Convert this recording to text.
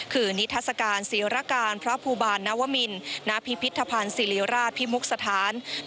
คือนิทัศกาลศิรการพระภูบาลนวมินณพิพิธภัณฑ์ศิริราชพิมุกสถาน